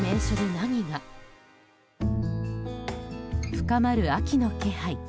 深まる秋の気配。